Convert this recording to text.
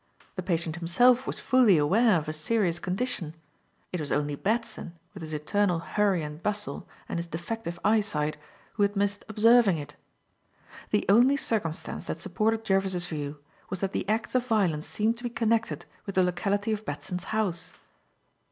The patient himself was fully aware of his serious condition; it was only Batson, with his eternal hurry and bustle and his defective eyesight, who had missed observing it. The only circumstance that supported Jervis's view was that the acts of violence seemed to be connected with the locality of Batson's house.